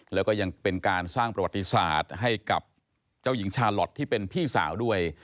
แล้วก็ยังเป็นการสร้างประวัติศาสตร์ให้กับเจ้าหญิงชาลอทที่เป็นพี่สาวด้วย